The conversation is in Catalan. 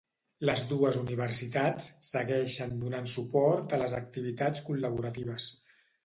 Les dues universitats segueixen donant suport a les activitats col·laboratives.